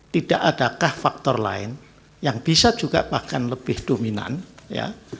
tidak adakah faktor lain yang bisa juga bahkan lebih dominan ya